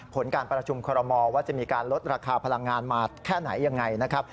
ผลการประชุมคอรมอว่าจะมีการลดราคาพลังงานมาแค่ไหนยังไงนะครับ